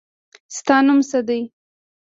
ستا نوم څه دی.